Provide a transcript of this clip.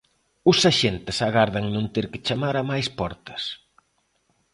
Os axentes agardan non ter que chamar a máis portas.